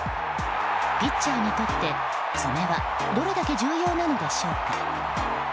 ピッチャーにとって爪はどれだけ重要なのでしょうか。